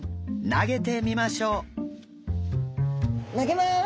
投げます。